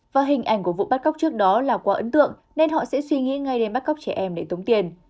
và hình ảnh của vụ bắt cóc trước đó là quá ấn tượng nên họ sẽ suy nghĩ ngay đến bắt cóc trẻ em để tống tiền